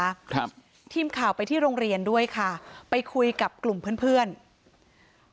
แต่ก็เหมือนกับว่าจะไปดูของเพื่อนแล้วก็ค่อยทำส่งครูลักษณะประมาณนี้นะคะ